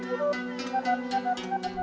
kita mulai mencari ikan